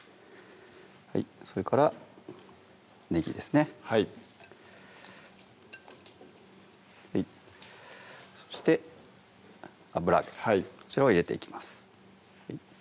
それからねぎですねはいそして油揚げはいこちらを入れていきます